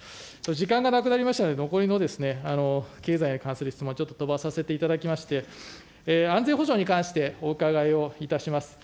時間がなくなりましたので、残りの経済に関する質問、ちょっと飛ばさせていただきまして、安全保障に関してお伺いをいたします。